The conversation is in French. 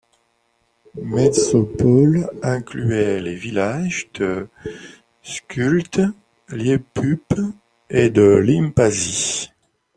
Metsopole incluait les villages de Skulte, Liepupe et de Limbaži.